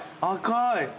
赤い！